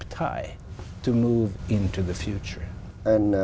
thông tin về quốc gia